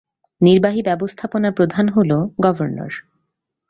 নির্বাহী ব্যবস্থাপনার প্রধান হ'ল গভর্নর।